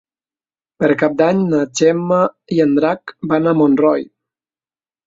Per Cap d'Any na Gemma i en Drac van a Montroi.